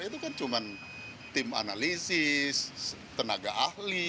itu kan cuma tim analisis tenaga ahli